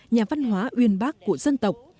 nhà văn hóa uyên bác của dân tộc